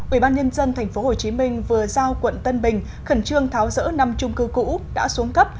ubnd tp hcm vừa giao quận tân bình khẩn trương tháo rỡ năm trung cư cũ đã xuống cấp